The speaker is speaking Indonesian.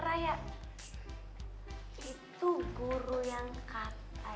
raya itu guru yang katanya bekas sekolah